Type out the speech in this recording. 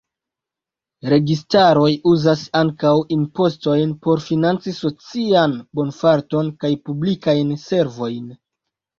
Registaroj uzas ankaŭ impostojn por financi socian bonfarton kaj publikajn servojn.